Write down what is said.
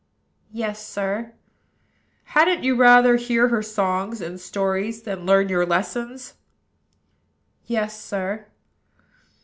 "Yes, sir." "Hadn't you rather hear her songs and stories than learn your lessons?" "Yes, sir."